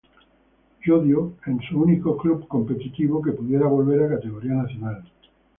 Llodio en un único club competitivo que pudiera volver a categoría nacional.